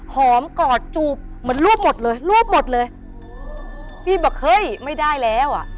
หอมกอดจูบเหมือนรูปหมดเลยรูปหมดเลยพี่บอกเฮ้ยไม่ได้แล้วอ่ะ